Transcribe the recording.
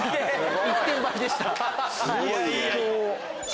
一点張りでした。